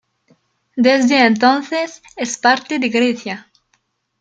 Desde entonces es parte de Grecia.